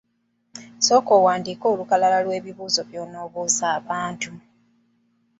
Sooka owandiike olukalala lw’ebibuuzo by’onoobuza abantu.